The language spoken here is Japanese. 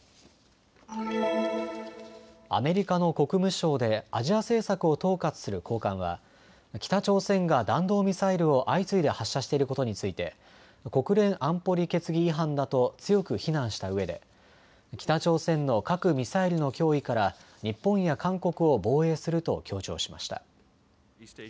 アメリカの国務省でアジア政策を統括する高官は北朝鮮が弾道ミサイルを相次いで発射していることについて国連安保理決議違反だと強く非難したうえで北朝鮮の核・ミサイルの脅威から日本や韓国を防衛すると強調しました。